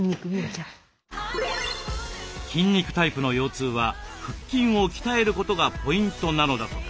筋肉タイプの腰痛は腹筋を鍛えることがポイントなのだとか。